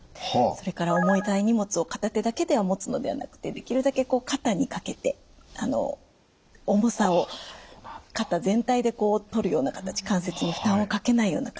それから重たい荷物を片手だけで持つのではなくてできるだけこう肩にかけて重さを肩全体でとるような形関節に負担をかけないような形。